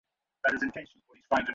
চোখের জল মোছ, সোনা।